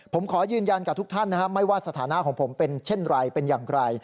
ผมขอยืนยันกับทุกท่านนะครับไม่ว่าสถานะของผมเป็นเช่นไรเป็นอย่างไร